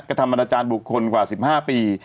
กระทำอนาจารย์บุคคลกว่า๑๕ปี